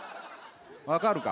分かるか？